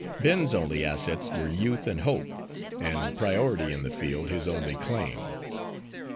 Ben's only assets were youth and hope, and priority in the field his only claim.